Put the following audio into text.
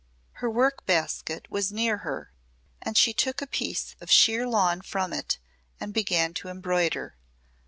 Her work basket was near her and she took a piece of sheer lawn from it and began to embroider.